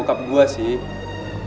punya bokap gue sih